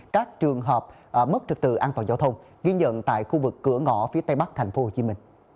các trường hợp mất trực tự an toàn giao thông ghi nhận tại khu vực cửa ngõ phía tây bắc tp hcm